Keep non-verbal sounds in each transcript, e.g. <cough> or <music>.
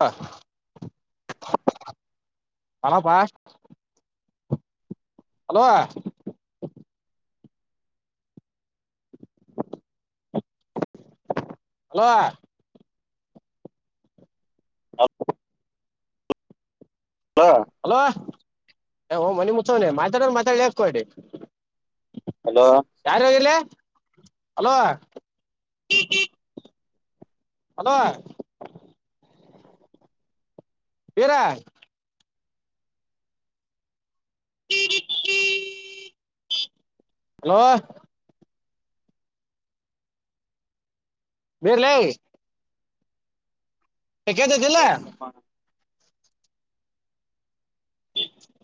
ಹಾ ಅಲ ಬಾ ಹಲೋ ಹಲೋ ಹ ಹಲೋ ಓ ಮನಿ ಮುತ್ನನೆ ಮಾತಾಡ ಮಾತಾಡ್ ಯಾಕೋಡಿ ಹಲೋ ಯಾರ ಆಿಲ್ಲ ಹಲೋ ಅದ ಬೇರ ಹಲೋ ಬೇಲ ಕೆದಲ್ಲ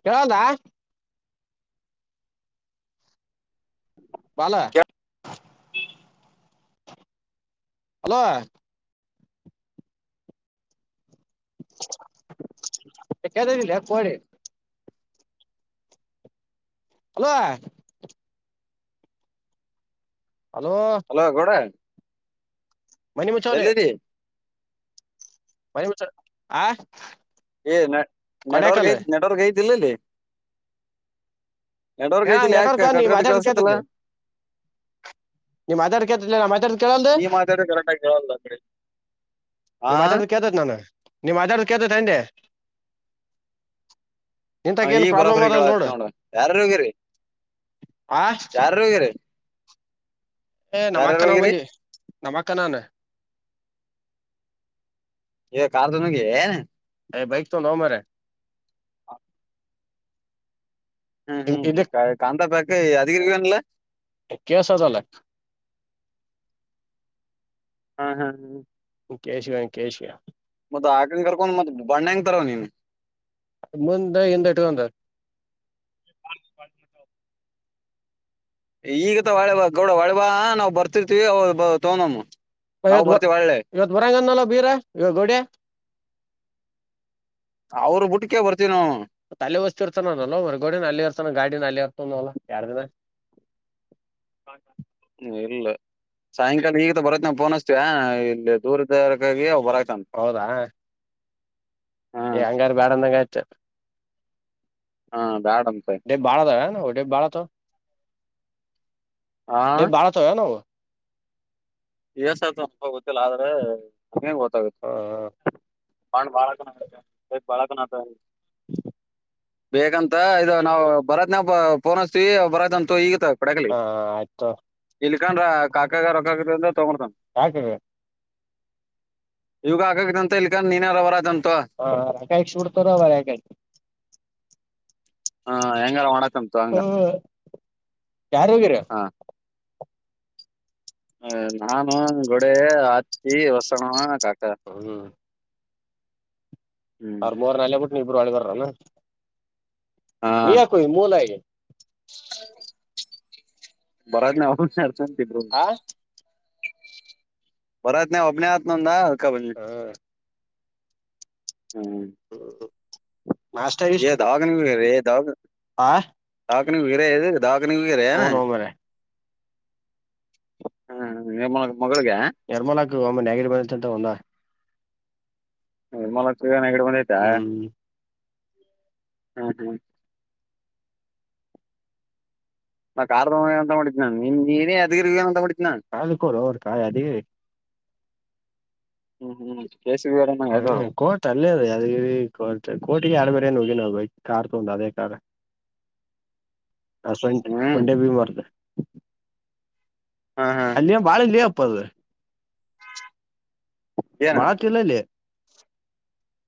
ಕೇಳೋದಾ ಬಾಲಾ ಹಲೋ ಕತ ಕೊಡೆೆ ಹಲ ಹಲೋ ಹಲೋ ಗೌಡ ಮನಿಮಛೊ ಎಲ್ಲಿದಿ ಬಸ ಆ ಏ ನ ನೆಟವರ್ಕ್ ಕೊಡ್ಯಾಕಲ್ ನೆಟ್ವರ್ಕ್ ಹ ಎರಡವರ್ಗ ಏನ ಐತಿಲ್ಲಿ ಯಾಕ ಕಟ್ ಕಟ್ ಕೆಲ್ಸತ್ತಲ್ಲ <inaudible> ನೀವ್ ಮಾತಾಡ್ ಕೇತಿಲ್ಲ ನಾ ಮಾತಾಡ್ ಕೇಳ್ದ ನೀ ಮಾತಾಡ ಕರೆಕ್ಟ್ ಆಗಿ ಕೇಳಲ್ಲ ಕಡೆ ಹಾ ನಿಮ್ ಮಾತಾಡ ಕೇಳ್ತತ್ ನಾನು ನಿ್ ಮಾತಾಡದು ಕತತಿ ಅಂಡೆ ಹ ಈ ಬರಾಬರಿಗಳ ಆಯ್ತು ನೋಡ ಯಾರಾರ ಹೋಗಿರಿ ಆಾ ಯಾರಾರು ಹೋಗಿರಿ ಏ ನಮಕ್ಕ ಯಾರ್ಯಾರು ನಾವ್ ಹೋಗಿರಿ ಬನ್ನಿ ನಮಕ್ಕ ನನ್ ಇ ಕಾರ್ದನಗೆಿಏ ಬೈಕ್ ತ ನ ಮರೆ ಹ ಹ್ಮ್ ಹಿಂಗ್ ಹ್ಮ್ ಇದಕ್ ಕಾಂತಾ ಪಕ ಅಿಕಾನಲ್ಲ <inaudible> ಹಾ ಹಾ ಹಾ ಕೇಶಿಕ ಕೇಶಿಕ ಮತ್ತ ಆಕಂಗ ಕರ್ಕೊಂಡ್ ಮತ್ ಬಣ್ಣ ಹಂಗ ತರವ ನೀನ್ ಮುಂದೆ ಹಿಂದ ಇಟಂದ ಈಗತ ಒಳೆ ಬಾ ಗೌಡ ಒಳೆ ಬಾ ನಾವವು ಬರ್ತಿರ್ತಿೀವಿ ಅವ ತೋಂದಮ್ಮ ಇವತ್ತು ಇವತ್ತು ವರಾಂಗಣಲ್ಲ ಬೀರ ಇವತ್ ಗೋಡ್ಯಾ ಅವ್ರ ಬುಟ್ಕೆ ಬರ್ತೀವಿ ನಾವು ತಾಲ ಬಸ್ತಿ ಇರ ಚ ನ ನಲ ಹೊರಗೋಡಿ ನ ಅಲ್ಲಿ ಚಾನ ಗಾಡಿಿನ ಆಲ್ಲಿ ೊಂದಲ ಯಾರ್ದಿನ ಹ್ಮ ಇಲ್ಲ ಸಾಯಂಕಾಲ ಈಗ ಬರೋತ್ ನ್ ೋನ್ಸ್ತ ಇಲ್ಲಿ ದೂರದರಾಗ ಹೊರ ಹೌದಾ ಹಾ ಏ್ಂಗಾರು ಬ್ಯಾಡಂದಂಗ ಆ ಹಾ ಬಾ ಡೆೇಬ್ಾಳ ಡೆಬ ಬಾಳತ ಆ ೇ ಬಾರ ಸ ನವು ಎಏಸ ಆಯ್ತು ನಪ ಗೊತ್ತಿಲ್ಲ ಆದ್ರೆ ನಮಂಗ ಗೊತ್ತಾಗುತ್ತೆ ಹ ಪಂಡ್ ಬಾಳಕನ ಆೈ ಬಾಳಕನ ಆತ ಬೇೇಕಂತ ಇದು ನಾವು ಬರತ್ ನಾವಫೋನ್ಸ್ತೀವಿ ಬರತ್ ಈಗತ್ತ ಹಾ ಆಯ್ತು ್ರ ಕಾಕಾಗ ರಕ್ಕ ಯಾಕ್ರ ಇವಾಗ ಆಕಕ ಅಂತ ಇಲ್ಲಿಕ ನೀನ ಅವರದಂ ಹ ರ ಕಾಯಕ್ ಉಡ್ತರವ ರಕ ಹಾ ಹೆಂಗಾರ ಒಣ ಹ್ಮ ಯಾರು ಹೋಗಿರ ಹ ನಾನು ಗೋಡೆ ಹತ್ತಿ ಹೊಸಣ ಕಾಕ ಹೌ ಹ್ಮ್ ಅವರ್ ಮೂರ್ ನ ಅಲೆ ಬಿಟ್ಟು ನೀ ಇಬ್ರು ಅಳಿಗಾರಲ್ಲ ನೀಯಕ ಮೂೋಲಯ ಹೌದು ಬರತ್ ನ ಅವ ಅರ್ಚಂಬ್ರ ಆ ಭರತನ ಅಭನಯಾತ್ ನೋಂದ ಹಾ ಹ್ಮ್ ಹ್ಮ ಏ ದಾವ ದಾಗ ಆ ದಾಕ ನಿ ಬಿಗೇರ ದಾಕನ ಬಿಗೆರ ಹ್ಮ್ ನೋ ಮರ ಹ್ಮ್ ಎ ಮಾಡ ನಿರ್ಮಲಾಕ್ ಒಮ್ಮ ನಗಡಿಿವ್ ಬಂತ ಒಂದಾ ಹ ಮಲಗ ಹಿಡ ಬಂದ್ ಆಯ್ತಾ ಹ್ಮ್ ಹ್ಮ ಹ್ಮ್ ನಾ ಕಾರ್ದ ಅಂತ ಮಾಡಿದ್ದನ ನನ್ ನಿಮ್ ನೀನೇ ಅದಗಿ ಅಂತ ಮಾಡಿದ್ದಿ ಕಾಲ ಕೂರು ಅವರು ಕಾಯ ಅದ ಹ್ಮ್ ಹ್ಮ್್ಮ ಹ್ಮ್ ಕೋಟ್ ಅಲ್ಲೇ ಅದು ಅ ಕೋ ಕೋಟಗ ಆಡ್ಬೇಕು ನುಗೆ ನ ಬ ಕಾರ ತ ಹಂದಾದ ಹ ಸಂ ಸೊಂಡೆ ಬಿೀ ಮಾಡಾರ್ದ ಹಾ ಹಾ ಅಲ್ಲಿಯ ಬಾಳ ಇಲ್ಲಿಯ ಅಪ್ಪದು ಏನ ಮಾತಲ್ಲಲ್ಲಿ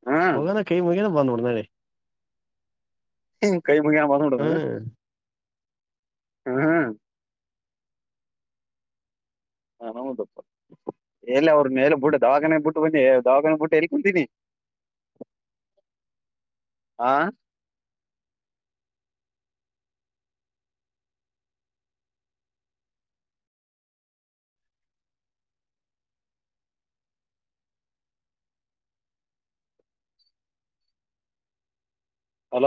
ಹ್ಮ್ ಕ ಕೈ ಮು ಕನ ಬಂದ ಉಡನೆನೆ ಕೈ ಮು ಬಾಸ ಉಡದು ಹ್ಮ ಹ್ಮ ಹಾ ನೌದಪ್ಪ ಎಲ್ಲ ಅವ್ರ ಮೇಲೆ ಬಿಟ್ಟ ದಾವ್ಣೆ ಬಿಟ್ಟು ಬನ್ನಿ ದಾವಾನೆ ಬಿುಟ್ಟು ಎಲ್ಲಿ ಕುಂತೀಿನಿ ಹ ಹಾಂ ಹಲ